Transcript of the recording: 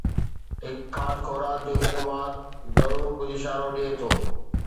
هڪ کاڌ خوراڪ جو انماد ضرور ڪجهه اشارو ڏئي ٿو